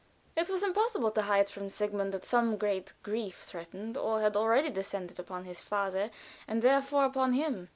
It was impossible to hide from Sigmund that some great grief threatened, or had already descended upon his father, and therefore upon him.